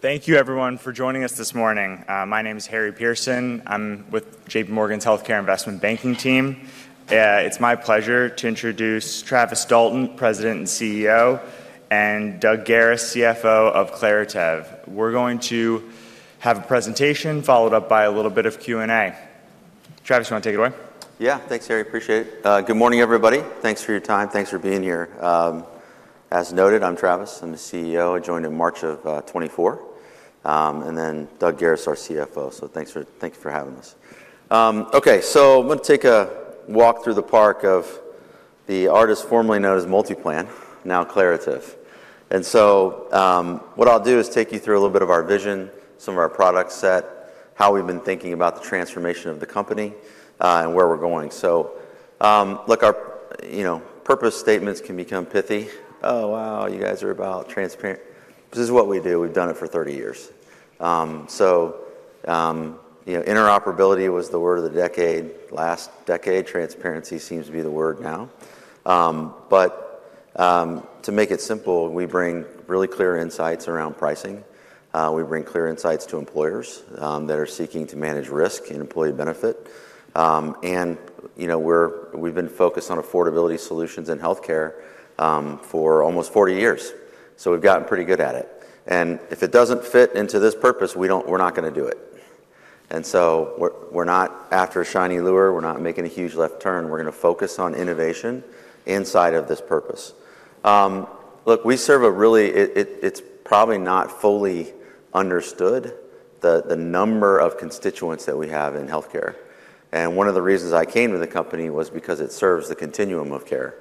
All right. Thank you, everyone, for joining us this morning. My name is Harry Pearson. I'm with J.P. Morgan Healthcare Investment Banking team. It's my pleasure to introduce Travis Dalton, President and CEO, and Doug Garis, CFO of Clariv. We're going to have a presentation followed up by a little bit of Q&A. Travis, you want to take it away? Yeah, thanks, Harry. Appreciate it. Good morning, everybody. Thanks for your time. Thanks for being here. As noted, I'm Travis. I'm the CEO. I joined in March of 2024. And then Doug Garis is our CFO. So thanks for having us. Okay, so I'm going to take a walk through the park of the artist formerly known as MultiPlan, now Clariv. And so what I'll do is take you through a little bit of our vision, some of our product set, how we've been thinking about the transformation of the company, and where we're going. So look, our purpose statements can become pithy. Oh, wow, you guys are about transparency. This is what we do. We've done it for 30 years. So interoperability was the word of the decade. Last decade, transparency seems to be the word now. But to make it simple, we bring really clear insights around pricing. We bring clear insights to employers that are seeking to manage risk and employee benefit, and we've been focused on affordability solutions in healthcare for almost 40 years, so we've gotten pretty good at it, and if it doesn't fit into this purpose, we're not going to do it, and so we're not after a shiny lure, we're not making a huge left turn, we're going to focus on innovation inside of this purpose. Look, we serve a really, it's probably not fully understood the number of constituents that we have in healthcare, and one of the reasons I came to the company was because it serves the continuum of care,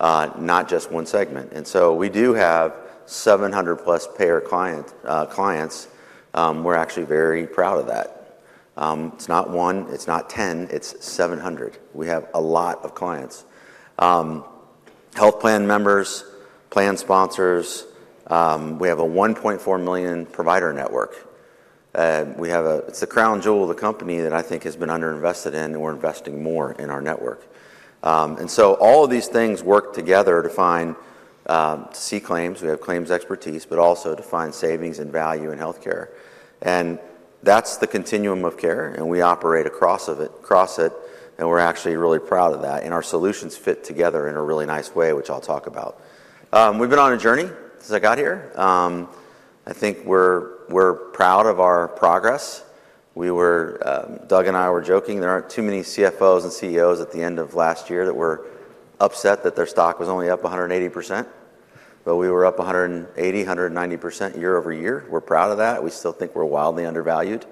not just one segment, and so we do have 700-plus payer clients. We're actually very proud of that. It's not one. It's not 10. It's 700. We have a lot of clients: health plan members, plan sponsors. We have a 1.4 million provider network. It's the crown jewel of the company that I think has been underinvested in, and we're investing more in our network. And so all of these things work together to see claims. We have claims expertise, but also to find savings and value in healthcare. And that's the continuum of care. And we operate across it. And we're actually really proud of that. And our solutions fit together in a really nice way, which I'll talk about. We've been on a journey since I got here. I think we're proud of our progress. Doug and I were joking there aren't too many CFOs and CEOs at the end of last year that were upset that their stock was only up 180%. But we were up 180%-190% year-over-year. We're proud of that. We still think we're wildly undervalued,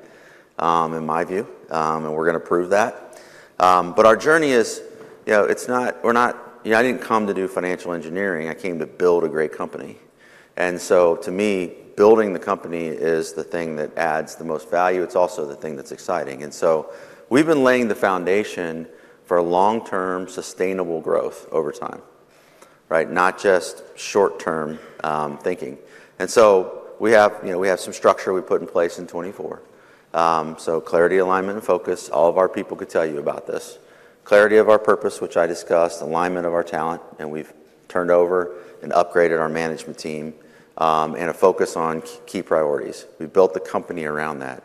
in my view. And we're going to prove that. But our journey is. We're not. I didn't come to do financial engineering. I came to build a great company. And so to me, building the company is the thing that adds the most value. It's also the thing that's exciting. And so we've been laying the foundation for long-term sustainable growth over time, not just short-term thinking. And so we have some structure we put in place in 2024. So clarity, alignment, and focus. All of our people could tell you about this. Clarity of our purpose, which I discussed. Alignment of our talent. And we've turned over and upgraded our management team and a focus on key priorities. We built the company around that.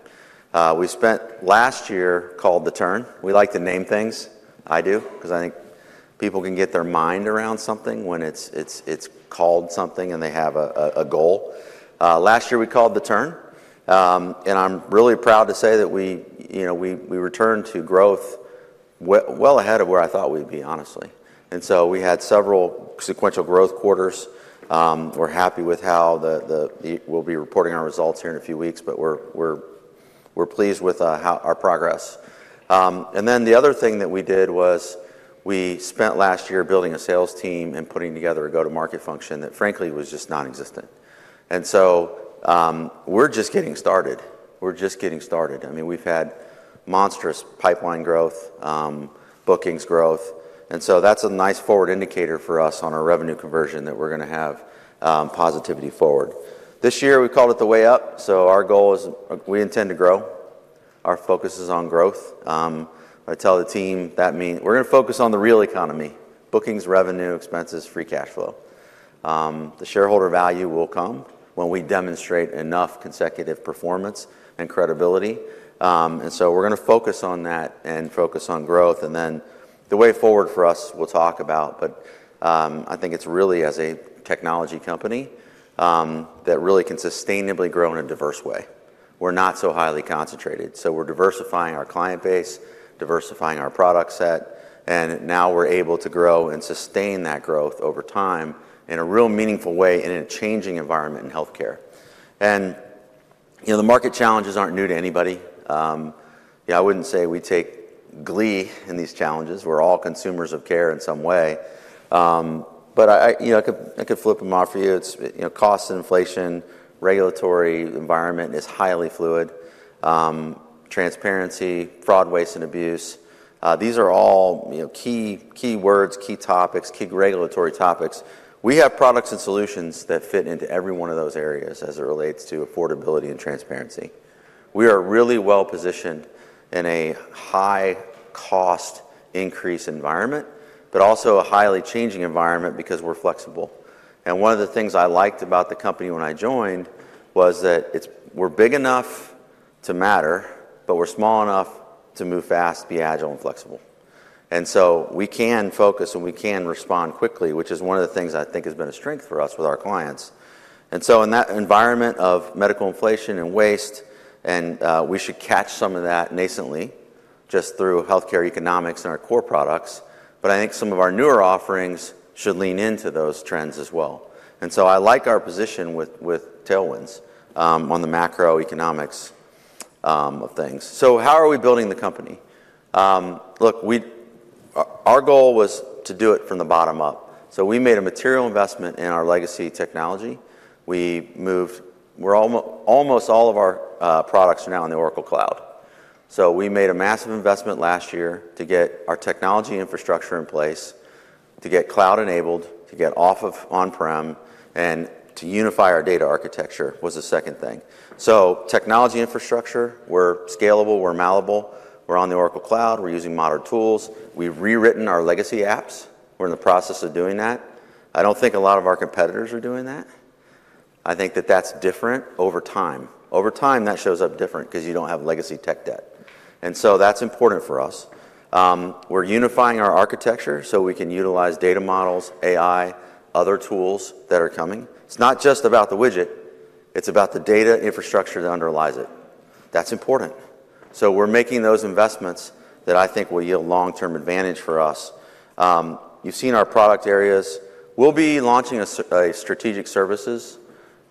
We spent last year, called The Turn. We like to name things. I do, because I think people can get their mind around something when it's called something and they have a goal. Last year, we called The Turn, and I'm really proud to say that we returned to growth well ahead of where I thought we'd be, honestly. So we had several sequential growth quarters. We're happy with how we'll be reporting our results here in a few weeks, but we're pleased with our progress. Then the other thing that we did was we spent last year building a sales team and putting together a go-to-market function that, frankly, was just non-existent. So we're just getting started. We're just getting started. I mean, we've had monstrous pipeline growth, bookings growth. So that's a nice forward indicator for us on our revenue conversion that we're going to have positivity forward. This year, we called it the way up. Our goal is we intend to grow. Our focus is on growth. I tell the team, that means we're going to focus on the real economy: bookings, revenue, expenses, free cash flow. The shareholder value will come when we demonstrate enough consecutive performance and credibility. And so we're going to focus on that and focus on growth. And then the way forward for us, we'll talk about, but I think it's really as a technology company that really can sustainably grow in a diverse way. We're not so highly concentrated. So we're diversifying our client base, diversifying our product set. And now we're able to grow and sustain that growth over time in a real meaningful way in a changing environment in healthcare. And the market challenges aren't new to anybody. I wouldn't say we take glee in these challenges. We're all consumers of care in some way. But I could flip them off for you. It's cost, inflation. Regulatory environment is highly fluid. Transparency, fraud, waste, and abuse. These are all key words, key topics, key regulatory topics. We have products and solutions that fit into every one of those areas as it relates to affordability and transparency. We are really well positioned in a high-cost increase environment, but also a highly changing environment because we're flexible. And one of the things I liked about the company when I joined was that we're big enough to matter, but we're small enough to move fast, be agile, and flexible. And so we can focus and we can respond quickly, which is one of the things I think has been a strength for us with our clients. And so in that environment of medical inflation and waste, we should catch some of that nascently just through healthcare economics and our core products. But I think some of our newer offerings should lean into those trends as well. And so I like our position with tailwinds on the macroeconomics of things. So how are we building the company? Look, our goal was to do it from the bottom up. So we made a material investment in our legacy technology. We moved almost all of our products now in the Oracle Cloud. So we made a massive investment last year to get our technology infrastructure in place, to get cloud-enabled, to get off of on-prem, and to unify our data architecture was the second thing. So technology infrastructure, we're scalable, we're malleable, we're on the Oracle Cloud, we're using modern tools. We've rewritten our legacy apps. We're in the process of doing that. I don't think a lot of our competitors are doing that. I think that that's different over time. Over time, that shows up different because you don't have legacy tech debt, and so that's important for us. We're unifying our architecture so we can utilize data models, AI, other tools that are coming. It's not just about the widget. It's about the data infrastructure that underlies it. That's important, so we're making those investments that I think will yield long-term advantage for us. You've seen our product areas. We'll be launching a strategic services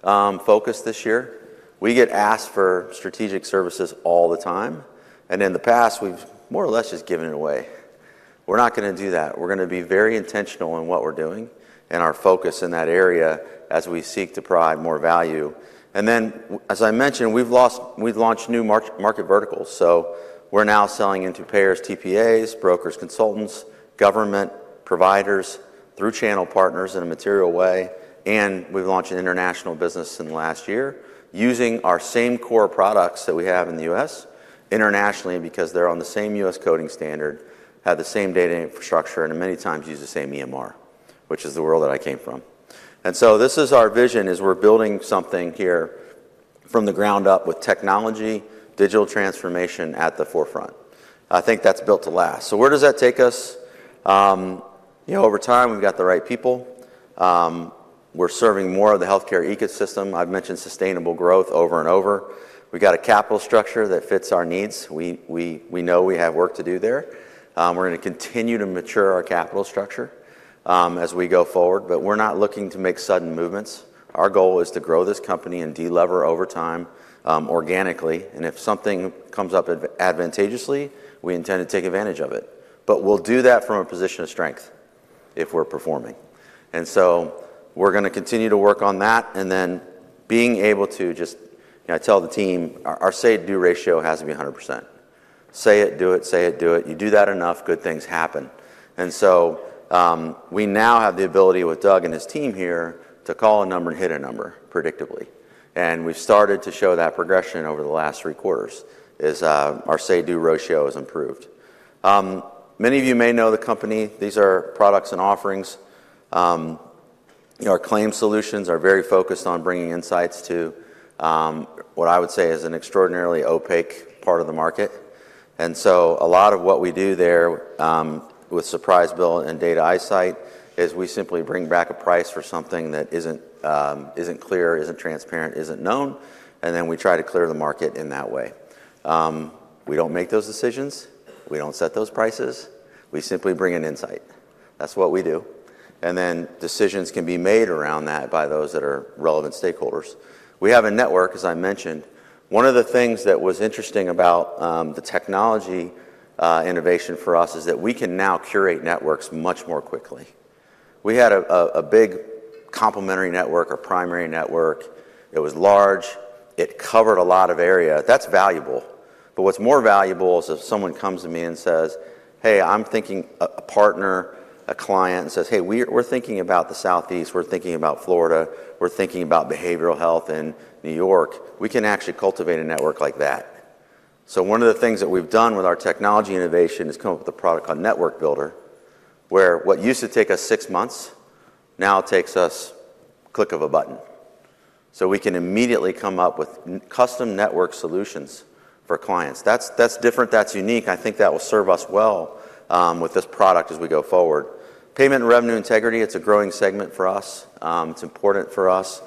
focus this year. We get asked for strategic services all the time. And in the past, we've more or less just given it away. We're not going to do that. We're going to be very intentional in what we're doing and our focus in that area as we seek to provide more value. And then, as I mentioned, we've launched new market verticals. So we're now selling into payers, TPAs, brokers, consultants, government providers through channel partners in a material way. And we've launched an international business in the last year using our same core products that we have in the U.S. internationally because they're on the same U.S. coding standard, have the same data infrastructure, and many times use the same EMR, which is the world that I came from. And so this is our vision is we're building something here from the ground up with technology, digital transformation at the forefront. I think that's built to last. So where does that take us? Over time, we've got the right people. We're serving more of the healthcare ecosystem. I've mentioned sustainable growth over and over. We've got a capital structure that fits our needs. We know we have work to do there. We're going to continue to mature our capital structure as we go forward. But we're not looking to make sudden movements. Our goal is to grow this company and delever over time organically. And if something comes up advantageously, we intend to take advantage of it. But we'll do that from a position of strength if we're performing. And so we're going to continue to work on that. And then being able to just I tell the team, our say-to-do ratio has to be 100%. Say it, do it, say it, do it. You do that enough, good things happen. And so we now have the ability with Doug and his team here to call a number and hit a number predictably. And we've started to show that progression over the last three quarters as our say-to-do ratio has improved. Many of you may know the company. These are products and offerings. Our claim solutions are very focused on bringing insights to what I would say is an extraordinarily opaque part of the market. And so a lot of what we do there with Surprise Bill and Data iSight is we simply bring back a price for something that isn't clear, isn't transparent, isn't known. And then we try to clear the market in that way. We don't make those decisions. We don't set those prices. We simply bring an insight. That's what we do. And then decisions can be made around that by those that are relevant stakeholders. We have a network, as I mentioned. One of the things that was interesting about the technology innovation for us is that we can now curate networks much more quickly. We had a big complementary network, our primary network. It was large. It covered a lot of area. That's valuable. But what's more valuable is if someone comes to me and says, "Hey, I'm thinking a partner, a client," and says, "Hey, we're thinking about the Southeast. We're thinking about Florida. We're thinking about behavioral health in New York." We can actually cultivate a network like that. So one of the things that we've done with our technology innovation is come up with a product called Network Builder, where what used to take us six months now takes us a click of a button. So we can immediately come up with custom network solutions for clients. That's different. That's unique. I think that will serve us well with this product as we go forward. Payment and revenue integrity, it's a growing segment for us. It's important for us.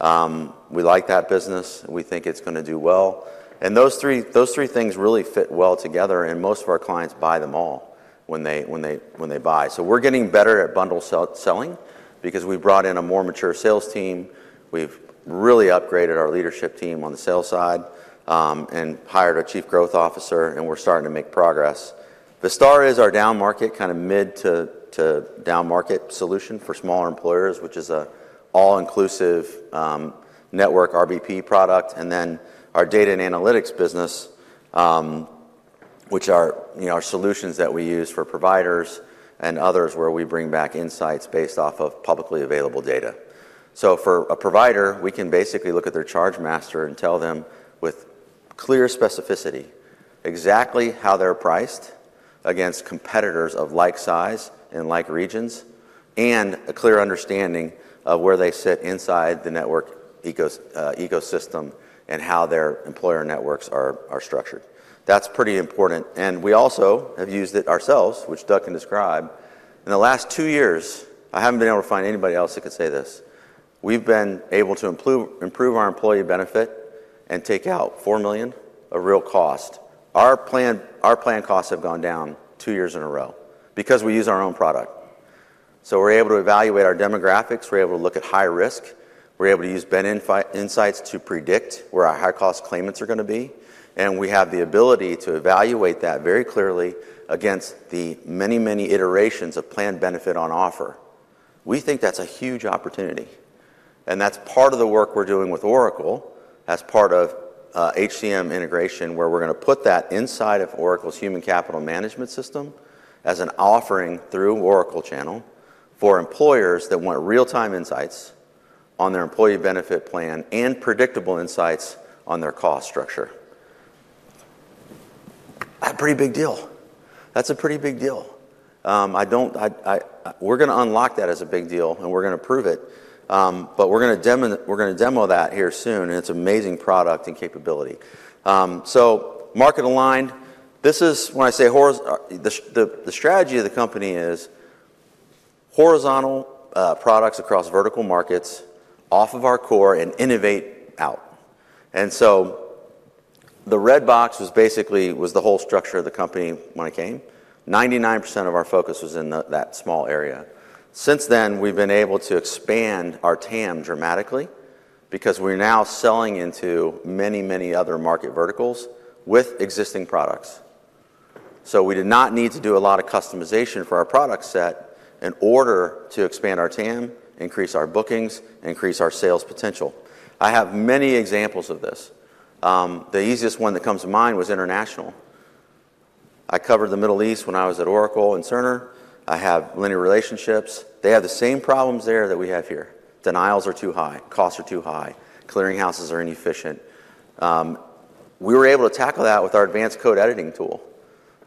We like that business. We think it's going to do well. And those three things really fit well together. And most of our clients buy them all when they buy. So we're getting better at bundle selling because we brought in a more mature sales team. We've really upgraded our leadership team on the sales side and hired a chief growth officer, and we're starting to make progress. BST is our down market, kind of mid to down market solution for smaller employers, which is an all-inclusive network RBP product. And then our data and analytics business, which are our solutions that we use for providers and others where we bring back insights based off of publicly available data. So for a provider, we can basically look at their chargemaster and tell them with clear specificity exactly how they're priced against competitors of like size and like regions and a clear understanding of where they sit inside the network ecosystem and how their employer networks are structured. That's pretty important. And we also have used it ourselves, which Doug can describe. In the last two years, I haven't been able to find anybody else that could say this. We've been able to improve our employee benefit and take out $4 million of real cost. Our plan costs have gone down two years in a row because we use our own product. So we're able to evaluate our demographics. We're able to look at high risk. We're able to use BenInsights to predict where our high-cost claimants are going to be. And we have the ability to evaluate that very clearly against the many, many iterations of planned benefit on offer. We think that's a huge opportunity. And that's part of the work we're doing with Oracle as part of HCM integration, where we're going to put that inside of Oracle's human capital management system as an offering through Oracle channel for employers that want real-time insights on their employee benefit plan and predictable insights on their cost structure. That's a pretty big deal. We're going to unlock that as a big deal, and we're going to prove it. But we're going to demo that here soon. And it's an amazing product and capability. So market aligned. This is when I say the strategy of the company is horizontal products across vertical markets off of our core and innovate out. The red box was basically the whole structure of the company when I came. 99% of our focus was in that small area. Since then, we've been able to expand our TAM dramatically because we're now selling into many, many other market verticals with existing products. We did not need to do a lot of customization for our product set in order to expand our TAM, increase our bookings, increase our sales potential. I have many examples of this. The easiest one that comes to mind was international. I covered the Middle East when I was at Oracle and Cerner. I have linear relationships. They have the same problems there that we have here. Denials are too high. Costs are too high. Clearinghouses are inefficient. We were able to tackle that with our advanced code editing tool.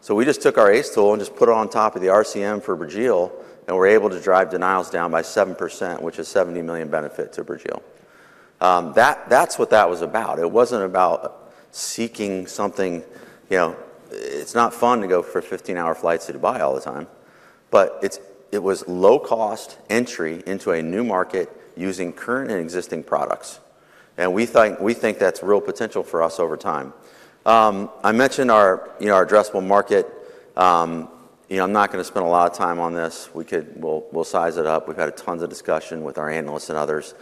We just took our ACE tool and just put it on top of the RCM for Burjeel, and we're able to drive denials down by 7%, which is a $70 million benefit to Burjeel. That's what that was about. It wasn't about seeking something. It's not fun to go for 15-hour flights to Dubai all the time. But it was low-cost entry into a new market using current and existing products. We think that's real potential for us over time. I mentioned our addressable market. I'm not going to spend a lot of time on this. We'll size it up. We've had tons of discussion with our analysts and others.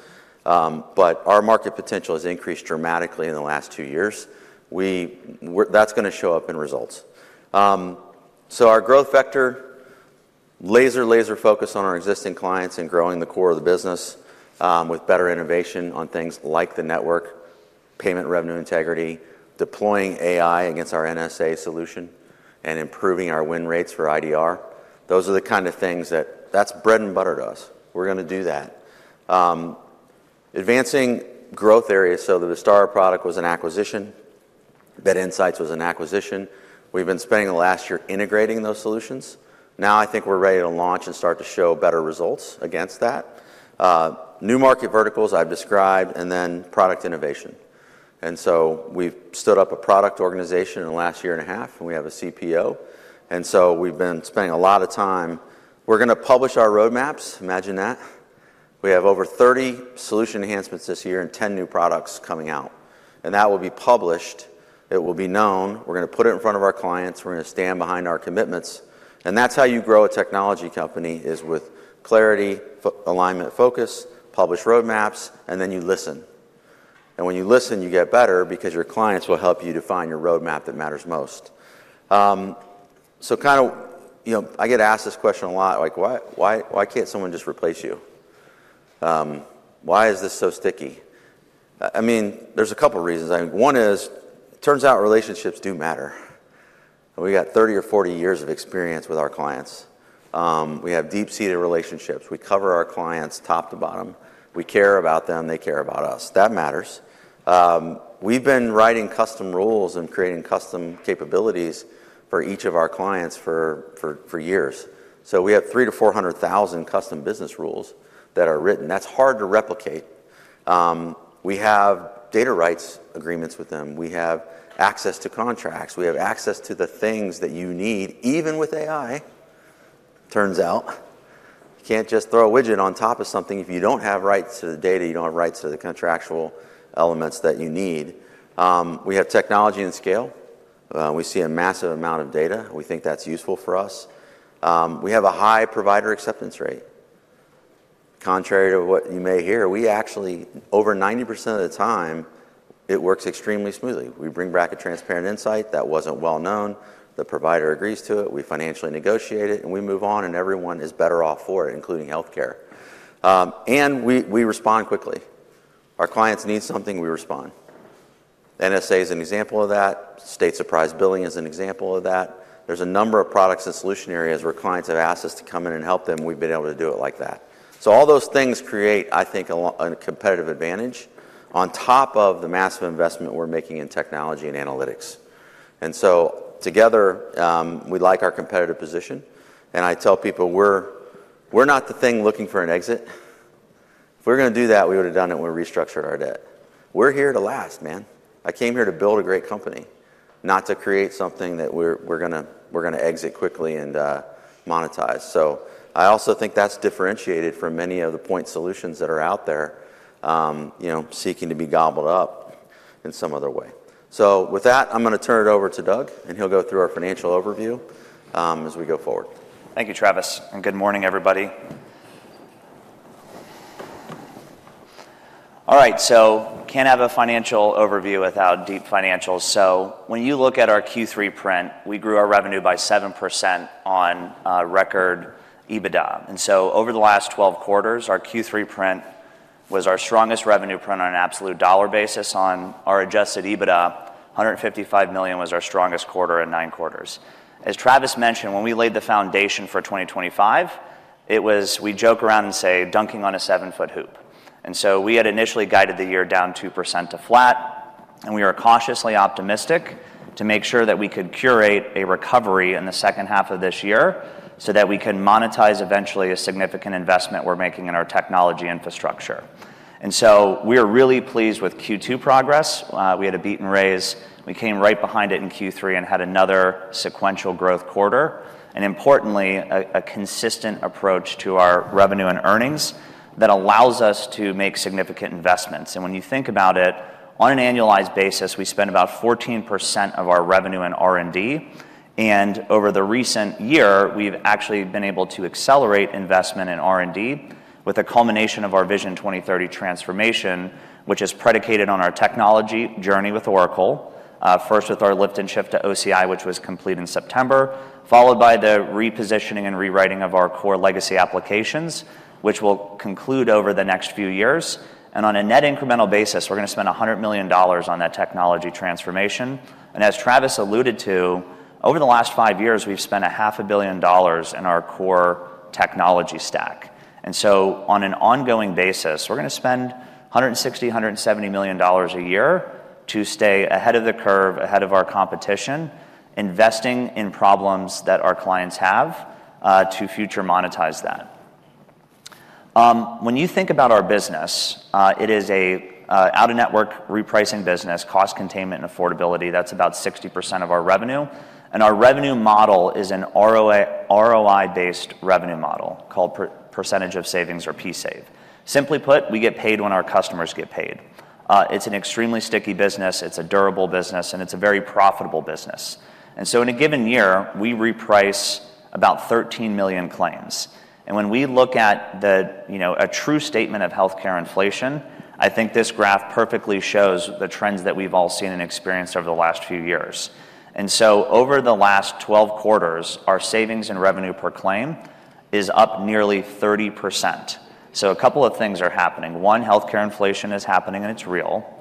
Our market potential has increased dramatically in the last two years. That's going to show up in results. So our growth vector, laser-focused on our existing clients and growing the core of the business with better innovation on things like the network, payment revenue integrity, deploying AI against our NSA solution, and improving our win rates for IDR. Those are the kind of things that's bread and butter to us. We're going to do that. Advancing growth areas so that BST product was an acquisition, BenInsights was an acquisition. We've been spending the last year integrating those solutions. Now I think we're ready to launch and start to show better results against that. New market verticals I've described, and then product innovation. And so we've stood up a product organization in the last year and a half, and we have a CPO. And so we've been spending a lot of time. We're going to publish our roadmaps. Imagine that. We have over 30 solution enhancements this year and 10 new products coming out. And that will be published. It will be known. We're going to put it in front of our clients. We're going to stand behind our commitments. And that's how you grow a technology company is with clarity, alignment, focus, publish roadmaps, and then you listen. And when you listen, you get better because your clients will help you define your roadmap that matters most. So kind of I get asked this question a lot, like, "Why can't someone just replace you? Why is this so sticky?" I mean, there's a couple of reasons. One is, turns out relationships do matter. We got 30 or 40 years of experience with our clients. We have deep-seated relationships. We cover our clients top to bottom. We care about them. They care about us. That matters. We've been writing custom rules and creating custom capabilities for each of our clients for years. So we have 300,000-400,000 custom business rules that are written. That's hard to replicate. We have data rights agreements with them. We have access to contracts. We have access to the things that you need, even with AI, turns out. You can't just throw a widget on top of something if you don't have rights to the data. You don't have rights to the contractual elements that you need. We have technology and scale. We see a massive amount of data. We think that's useful for us. We have a high provider acceptance rate. Contrary to what you may hear, we actually, over 90% of the time, it works extremely smoothly. We bring back a transparent insight that wasn't well known. The provider agrees to it. We financially negotiate it, and we move on, and everyone is better off for it, including healthcare. And we respond quickly. Our clients need something. We respond. NSA is an example of that. State Surprise Billing is an example of that. There's a number of products and solution areas where clients have asked us to come in and help them. We've been able to do it like that. So all those things create, I think, a competitive advantage on top of the massive investment we're making in technology and analytics. And so together, we like our competitive position. And I tell people, "We're not the thing looking for an exit. If we were going to do that, we would have done it when we restructured our debt." We're here to last, man. I came here to build a great company, not to create something that we're going to exit quickly and monetize. So I also think that's differentiated from many of the point solutions that are out there seeking to be gobbled up in some other way. So with that, I'm going to turn it over to Doug, and he'll go through our financial overview as we go forward. Thank you, Travis. And good morning, everybody. All right. So can't have a financial overview without deep financials. So when you look at our Q3 print, we grew our revenue by 7% on record EBITDA. And so over the last 12 quarters, our Q3 print was our strongest revenue print on an absolute dollar basis. On our adjusted EBITDA, $155 million was our strongest quarter in nine quarters. As Travis mentioned, when we laid the foundation for 2025, it was we joke around and say, "Dunking on a seven-foot hoop." And so we had initially guided the year down 2% to flat. And we were cautiously optimistic to make sure that we could curate a recovery in the second half of this year so that we can monetize eventually a significant investment we're making in our technology infrastructure. And so we are really pleased with Q2 progress. We had a beat and raise. We came right behind it in Q3 and had another sequential growth quarter, and importantly, a consistent approach to our revenue and earnings that allows us to make significant investments. When you think about it, on an annualized basis, we spend about 14% of our revenue in R&D. Over the recent year, we've actually been able to accelerate investment in R&D with a culmination of our Vision 2030 transformation, which is predicated on our technology journey with Oracle, first with our lift and shift to OCI, which was complete in September, followed by the repositioning and rewriting of our core legacy applications, which will conclude over the next few years. On a net incremental basis, we're going to spend $100 million on that technology transformation. And as Travis alluded to, over the last five years, we've spent $500 million in our core technology stack. And so on an ongoing basis, we're going to spend $160 million-$170 million a year to stay ahead of the curve, ahead of our competition, investing in problems that our clients have to future monetize that. When you think about our business, it is an out-of-network repricing business, cost containment, and affordability. That's about 60% of our revenue. And our revenue model is an ROI-based revenue model called Percentage of Savings or P-save. Simply put, we get paid when our customers get paid. It's an extremely sticky business. It's a durable business, and it's a very profitable business. And so in a given year, we reprice about 13 million claims. When we look at a true statement of healthcare inflation, I think this graph perfectly shows the trends that we've all seen and experienced over the last few years. Over the last 12 quarters, our savings and revenue per claim is up nearly 30%. A couple of things are happening. One, healthcare inflation is happening, and it's real.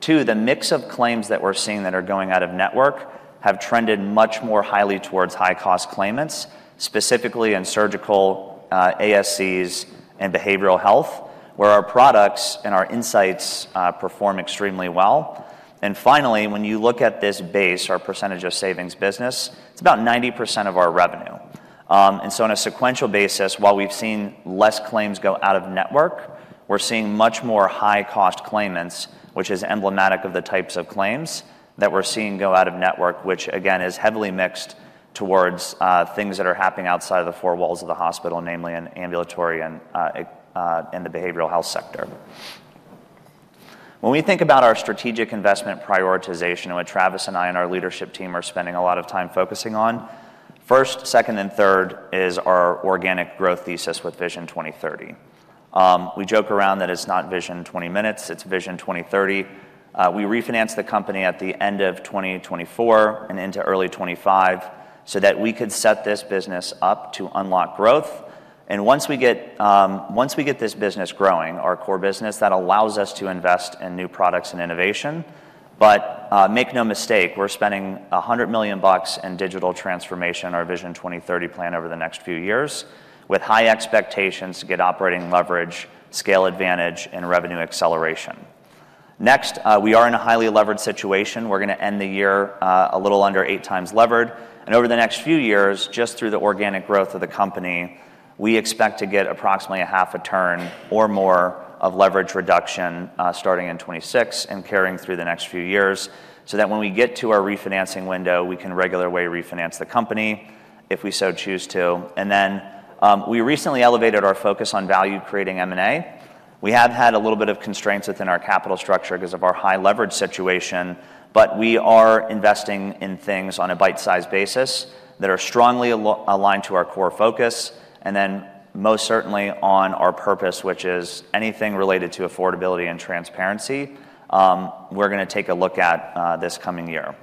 Two, the mix of claims that we're seeing that are going out of network have trended much more highly towards high-cost claimants, specifically in surgical, ASCs, and behavioral health, where our products and our insights perform extremely well. Finally, when you look at this base, our percentage of savings business, it's about 90% of our revenue. And so on a sequential basis, while we've seen less claims go out of network, we're seeing much more high-cost claimants, which is emblematic of the types of claims that we're seeing go out of network, which, again, is heavily mixed towards things that are happening outside of the four walls of the hospital, namely in ambulatory and the behavioral health sector. When we think about our strategic investment prioritization and what Travis and I and our leadership team are spending a lot of time focusing on, first, second, and third is our organic growth thesis with Vision 2030. We joke around that it's not Vision 20 Minutes. It's Vision 2030. We refinanced the company at the end of 2024 and into early 2025 so that we could set this business up to unlock growth. And once we get this business growing, our core business, that allows us to invest in new products and innovation. But make no mistake, we're spending $100 million in digital transformation, our Vision 2030 plan over the next few years, with high expectations to get operating leverage, scale advantage, and revenue acceleration. Next, we are in a highly levered situation. We're going to end the year a little under eight times levered. And over the next few years, just through the organic growth of the company, we expect to get approximately a half a turn or more of leverage reduction starting in 2026 and carrying through the next few years so that when we get to our refinancing window, we can regular way refinance the company if we so choose to. And then we recently elevated our focus on value-creating M&A. We have had a little bit of constraints within our capital structure because of our high leverage situation, but we are investing in things on a bite-sized basis that are strongly aligned to our core focus. And then most certainly on our purpose, which is anything related to affordability and transparency, we're going to take a look at this coming year.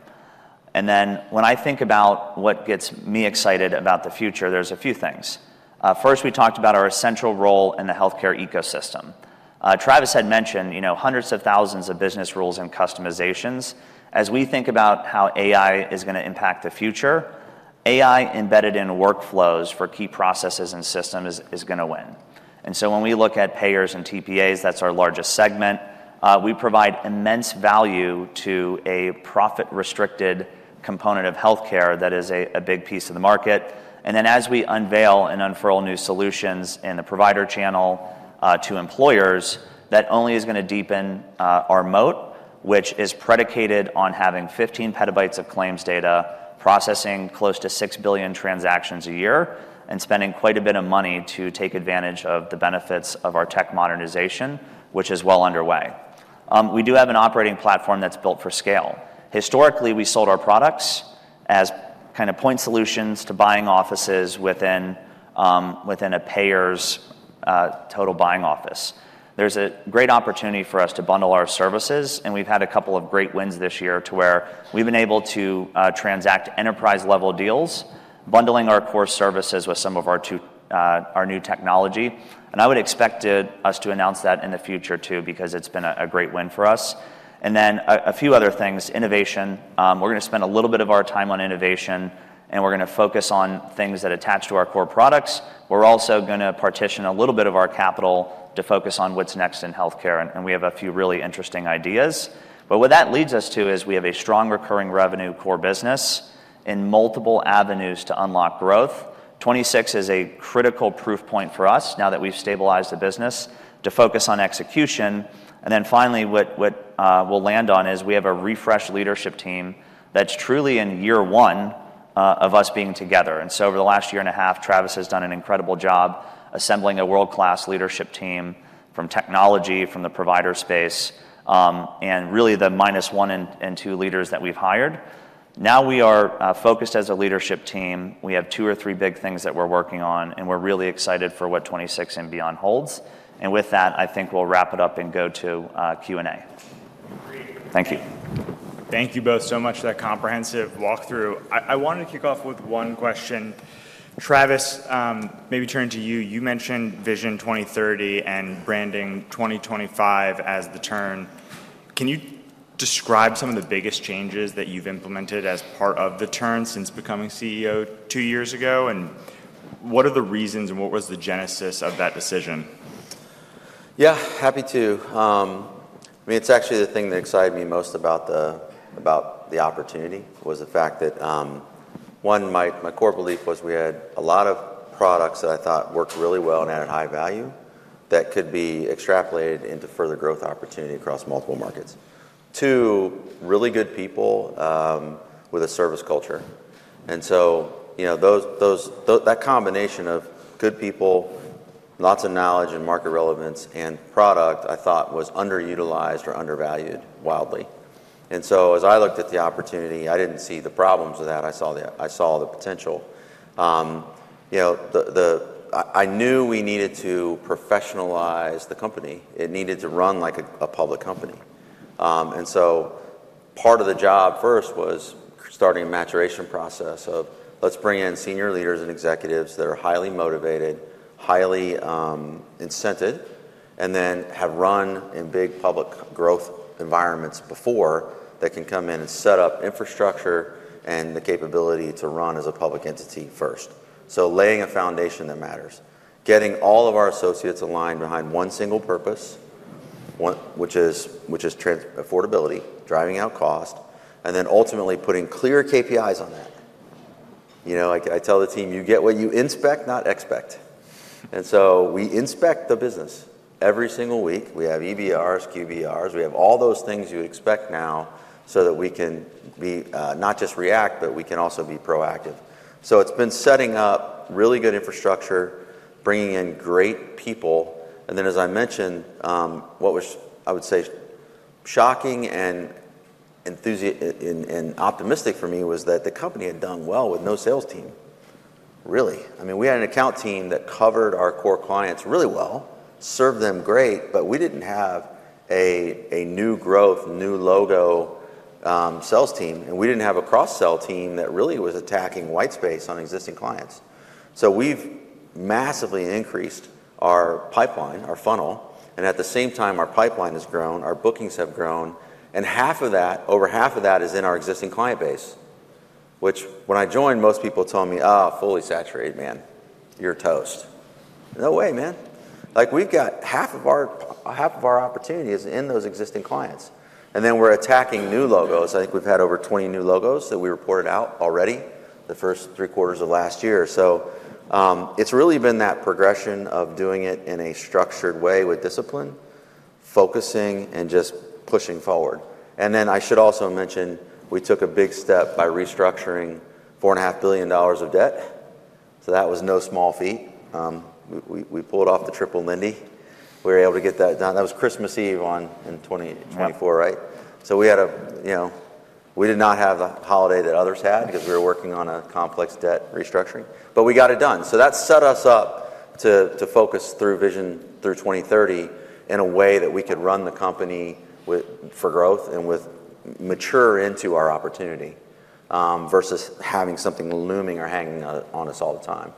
And then when I think about what gets me excited about the future, there's a few things. First, we talked about our essential role in the healthcare ecosystem. Travis had mentioned hundreds of thousands of business rules and customizations. As we think about how AI is going to impact the future, AI embedded in workflows for key processes and systems is going to win. And so when we look at payers and TPAs, that's our largest segment. We provide immense value to a profit-restricted component of healthcare that is a big piece of the market, and then as we unveil and unfurl new solutions in the provider channel to employers, that only is going to deepen our moat, which is predicated on having 15 petabytes of claims data, processing close to 6 billion transactions a year, and spending quite a bit of money to take advantage of the benefits of our tech modernization, which is well underway. We do have an operating platform that's built for scale. Historically, we sold our products as kind of point solutions to buying offices within a payer's total buying office. There's a great opportunity for us to bundle our services, and we've had a couple of great wins this year to where we've been able to transact enterprise-level deals, bundling our core services with some of our new technology. And I would expect us to announce that in the future too because it's been a great win for us. And then a few other things, innovation. We're going to spend a little bit of our time on innovation, and we're going to focus on things that attach to our core products. We're also going to partition a little bit of our capital to focus on what's next in healthcare. And we have a few really interesting ideas. But what that leads us to is we have a strong recurring revenue core business in multiple avenues to unlock growth. 2026 is a critical proof point for us now that we've stabilized the business to focus on execution. And then finally, what we'll land on is we have a refreshed leadership team that's truly in year one of us being together. And so over the last year and a half, Travis has done an incredible job assembling a world-class leadership team from technology, from the provider space, and really the minus one and two leaders that we've hired. Now we are focused as a leadership team. We have two or three big things that we're working on, and we're really excited for what 2026 and beyond holds. And with that, I think we'll wrap it up and go to Q&A. Thank you. Thank you both so much for that comprehensive walkthrough. I wanted to kick off with one question. Travis, maybe turn to you. You mentioned Vision 2030 and branding 2025 as the turn. Can you describe some of the biggest changes that you've implemented as part of the turn since becoming CEO two years ago? And what are the reasons and what was the genesis of that decision? Yeah, happy to. I mean, it's actually the thing that excited me most about the opportunity was the fact that, one, my core belief was we had a lot of products that I thought worked really well and added high value that could be extrapolated into further growth opportunity across multiple markets. Two, really good people with a service culture. And so that combination of good people, lots of knowledge and market relevance and product, I thought was underutilized or undervalued wildly. And so as I looked at the opportunity, I didn't see the problems with that. I saw the potential. I knew we needed to professionalize the company. It needed to run like a public company. And so part of the job first was starting a maturation process of, let's bring in senior leaders and executives that are highly motivated, highly incented, and then have run in big public growth environments before that can come in and set up infrastructure and the capability to run as a public entity first. So laying a foundation that matters, getting all of our associates aligned behind one single purpose, which is affordability, driving out cost, and then ultimately putting clear KPIs on that. I tell the team, "You get what you inspect, not expect." And so we inspect the business every single week. We have EBRs, QBRs. We have all those things you expect now so that we can not just react, but we can also be proactive. So it's been setting up really good infrastructure, bringing in great people. And then, as I mentioned, what was, I would say, shocking and optimistic for me was that the company had done well with no sales team, really. I mean, we had an account team that covered our core clients really well, served them great, but we didn't have a new growth, new logo sales team. And we didn't have a cross-sell team that really was attacking white space on existing clients. So we've massively increased our pipeline, our funnel. And at the same time, our pipeline has grown, our bookings have grown. And over half of that is in our existing client base, which when I joined, most people told me, "Oh, fully saturated, man. You're toast." No way, man. We've got half of our opportunities in those existing clients. And then we're attacking new logos. I think we've had over 20 new logos that we reported out already the first three quarters of last year, so it's really been that progression of doing it in a structured way with discipline, focusing, and just pushing forward, and then I should also mention we took a big step by restructuring $4.5 billion of debt, so that was no small feat. We pulled off the Triple Lindy. We were able to get that done. That was Christmas Eve in 2024, right, so we did not have the holiday that others had because we were working on a complex debt restructuring, but we got it done, so that set us up to focus through Vision 2030 in a way that we could run the company for growth and mature into our opportunity versus having something looming or hanging on us all the time.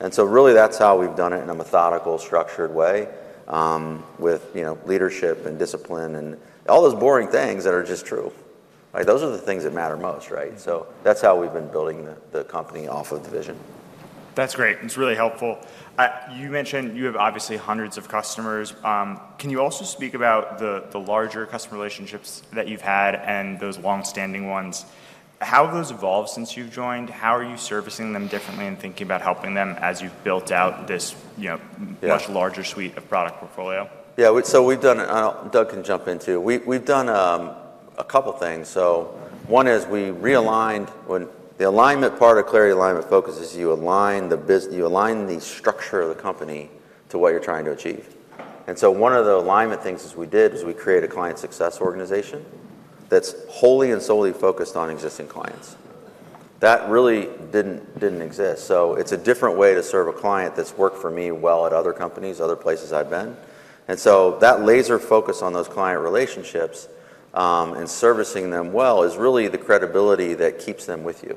And so really, that's how we've done it in a methodical, structured way with leadership and discipline and all those boring things that are just true. Those are the things that matter most, right? So that's how we've been building the company off of the vision. That's great. It's really helpful. You mentioned you have obviously hundreds of customers. Can you also speak about the larger customer relationships that you've had and those long-standing ones? How have those evolved since you've joined? How are you servicing them differently and thinking about helping them as you've built out this much larger suite of product portfolio? Yeah. So Doug can jump in too. We've done a couple of things. So one is we realigned the alignment part of Clariv Alignment Focus is you align the structure of the company to what you're trying to achieve. And so one of the alignment things we did was we created a client success organization that's wholly and solely focused on existing clients. That really didn't exist. So it's a different way to serve a client that's worked for me well at other companies, other places I've been. And so that laser focus on those client relationships and servicing them well is really the credibility that keeps them with you.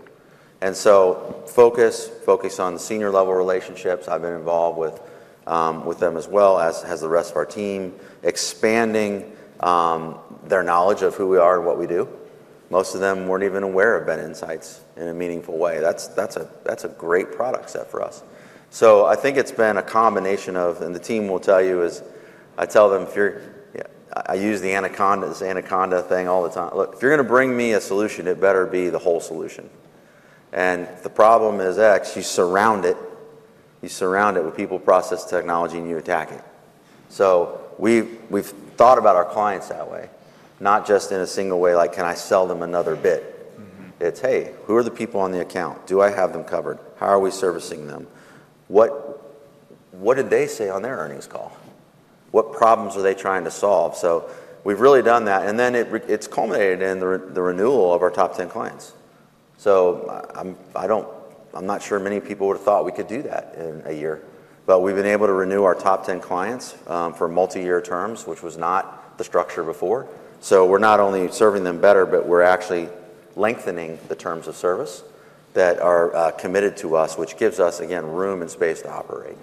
And so focus on the senior-level relationships. I've been involved with them as well as the rest of our team, expanding their knowledge of who we are and what we do. Most of them weren't even aware of BenInsights in a meaningful way. That's a great product set for us. So I think it's been a combination of, and the team will tell you, I tell them, "I use the anaconda thing all the time. Look, if you're going to bring me a solution, it better be the whole solution." And the problem is X, you surround it with people, process, technology, and you attack it. So we've thought about our clients that way, not just in a single way like, "Can I sell them another bit?" It's, "Hey, who are the people on the account? Do I have them covered? How are we servicing them? What did they say on their earnings call? What problems are they trying to solve?" So we've really done that. And then it's culminated in the renewal of our top 10 clients. So I'm not sure many people would have thought we could do that in a year. But we've been able to renew our top 10 clients for multi-year terms, which was not the structure before. So we're not only serving them better, but we're actually lengthening the terms of service that are committed to us, which gives us, again, room and space to operate.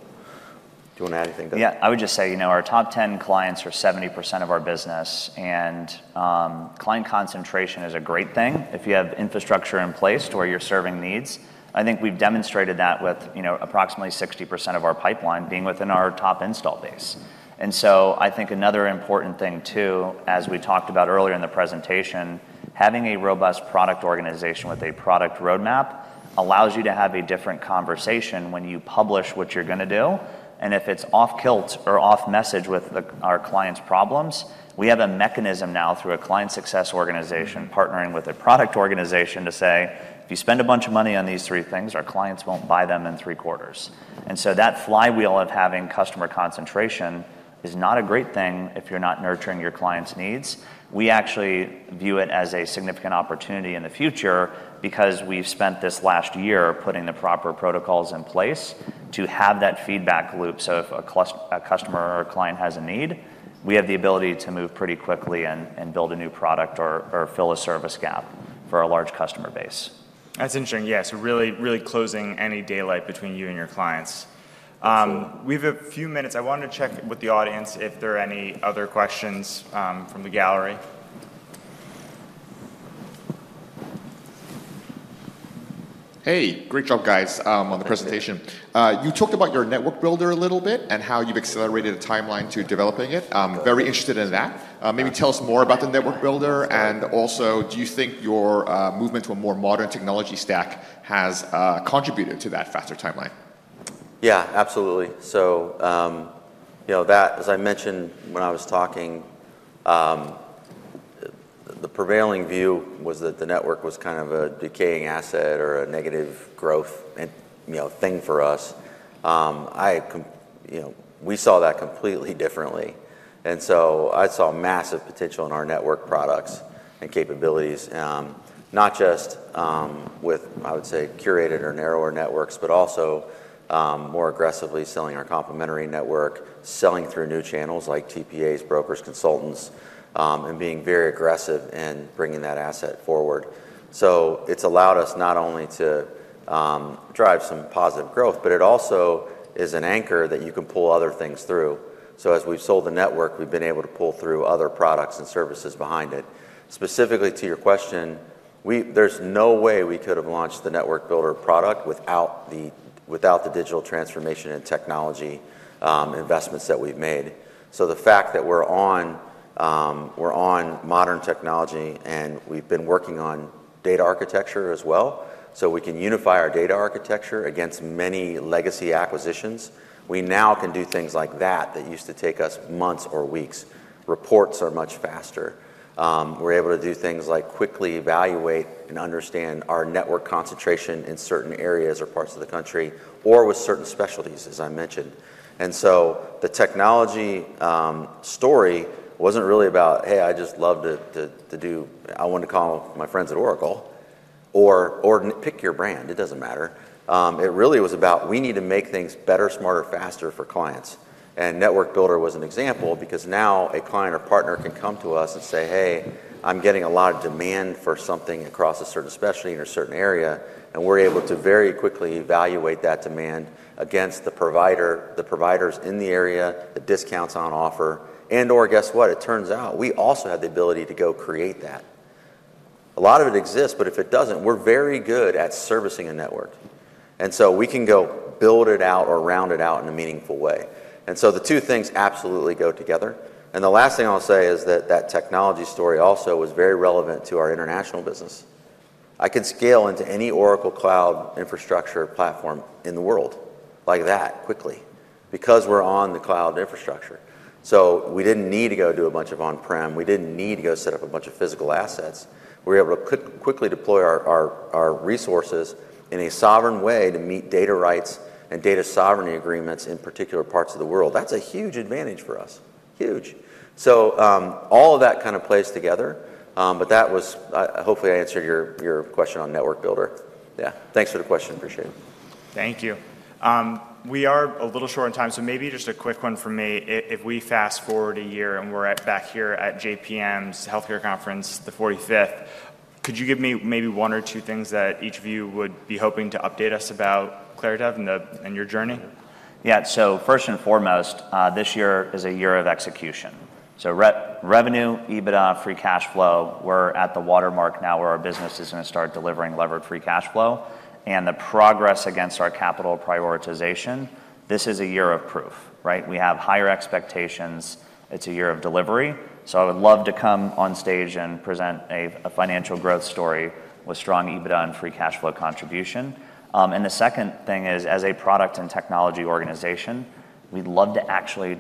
Do you want to add anything to that? Yeah. I would just say our top 10 clients are 70% of our business. And client concentration is a great thing if you have infrastructure in place to where you're serving needs. I think we've demonstrated that with approximately 60% of our pipeline being within our top install base. And so I think another important thing too, as we talked about earlier in the presentation, having a robust product organization with a product roadmap allows you to have a different conversation when you publish what you're going to do. And if it's off-kilter or off-message with our clients' problems, we have a mechanism now through a client success organization partnering with a product organization to say, "If you spend a bunch of money on these three things, our clients won't buy them in three quarters." And so that flywheel of having customer concentration is not a great thing if you're not nurturing your clients' needs. We actually view it as a significant opportunity in the future because we've spent this last year putting the proper protocols in place to have that feedback loop. So if a customer or a client has a need, we have the ability to move pretty quickly and build a new product or fill a service gap for our large customer base. That's interesting. Yes. Really closing any daylight between you and your clients. We have a few minutes. I wanted to check with the audience if there are any other questions from the gallery. Hey. Great job, guys, on the presentation. You talked about your network builder a little bit and how you've accelerated the timeline to developing it. Very interested in that. Maybe tell us more about the network builder. And also, do you think your movement to a more modern technology stack has contributed to that faster timeline? Yeah, absolutely, so as I mentioned when I was talking, the prevailing view was that the network was kind of a decaying asset or a negative growth thing for us. We saw that completely differently, and so I saw massive potential in our network products and capabilities, not just with, I would say, curated or narrower networks, but also more aggressively selling our complementary network, selling through new channels like TPAs, brokers, consultants, and being very aggressive in bringing that asset forward. So it's allowed us not only to drive some positive growth, but it also is an anchor that you can pull other things through, so as we've sold the network, we've been able to pull through other products and services behind it. Specifically to your question, there's no way we could have launched the Network Builder product without the digital transformation and technology investments that we've made. So the fact that we're on modern technology and we've been working on data architecture as well so we can unify our data architecture against many legacy acquisitions. We now can do things like that that used to take us months or weeks. Reports are much faster. We're able to do things like quickly evaluate and understand our network concentration in certain areas or parts of the country or with certain specialties, as I mentioned. And so the technology story wasn't really about, "Hey, I just love to do I want to call my friends at Oracle or pick your brand. It doesn't matter." It really was about, "We need to make things better, smarter, faster for clients, and Network Builder was an example because now a client or partner can come to us and say, 'Hey, I'm getting a lot of demand for something across a certain specialty in a certain area,' and we're able to very quickly evaluate that demand against the providers in the area, the discounts on offer. And/or guess what? It turns out we also have the ability to go create that. A lot of it exists, but if it doesn't, we're very good at servicing a network, and so we can go build it out or round it out in a meaningful way, and so the two things absolutely go together. The last thing I'll say is that that technology story also was very relevant to our international business. I can scale into any Oracle Cloud Infrastructure platform in the world like that quickly because we're on the cloud infrastructure. So we didn't need to go do a bunch of on-prem. We didn't need to go set up a bunch of physical assets. We were able to quickly deploy our resources in a sovereign way to meet data rights and data sovereignty agreements in particular parts of the world. That's a huge advantage for us. Huge. So all of that kind of plays together. But hopefully, I answered your question on Network Builder. Yeah. Thanks for the question. Appreciate it. Thank you. We are a little short on time. So maybe just a quick one from me. If we fast forward a year and we're back here at JPM's healthcare conference, the 45th, could you give me maybe one or two things that each of you would be hoping to update us about Clariv and your journey? Yeah. So first and foremost, this year is a year of execution. So revenue, EBITDA, free cash flow, we're at the watermark now where our business is going to start delivering levered free cash flow. And the progress against our capital prioritization, this is a year of proof, right? We have higher expectations. It's a year of delivery. So I would love to come on stage and present a financial growth story with strong EBITDA and free cash flow contribution. And the second thing is, as a product and technology organization, we'd love to actually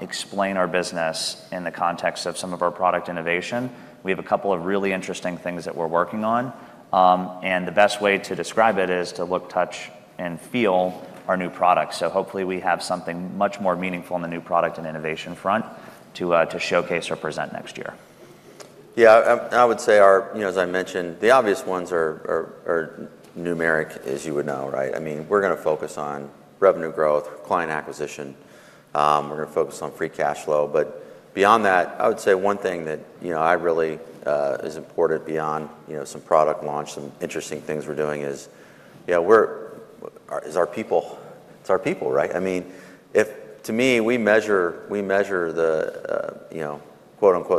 explain our business in the context of some of our product innovation. We have a couple of really interesting things that we're working on. And the best way to describe it is to look, touch, and feel our new products. So hopefully, we have something much more meaningful on the new product and innovation front to showcase or present next year. Yeah. I would say, as I mentioned, the obvious ones are numeric, as you would know, right? I mean, we're going to focus on revenue growth, client acquisition. We're going to focus on free cash flow. But beyond that, I would say one thing that really is important beyond some product launch, some interesting things we're doing is, yeah, it's our people, right? I mean, to me, we measure the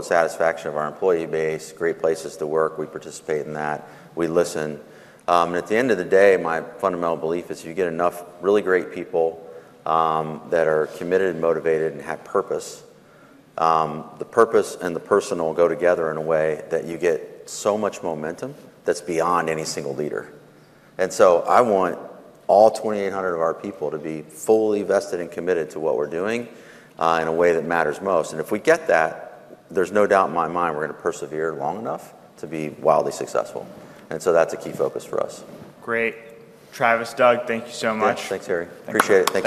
"satisfaction" of our employee base, great places to work. We participate in that. We listen. And at the end of the day, my fundamental belief is you get enough really great people that are committed and motivated and have purpose. The purpose and the personal go together in a way that you get so much momentum that's beyond any single leader. And so I want all 2,800 of our people to be fully vested and committed to what we're doing in a way that matters most. And if we get that, there's no doubt in my mind we're going to persevere long enough to be wildly successful. And so that's a key focus for us. Great. Travis, Doug, thank you so much. Thanks, Harry. Appreciate it.